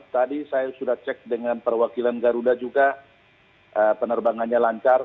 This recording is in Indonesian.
tadi saya sudah cek dengan perwakilan garuda juga penerbangannya lancar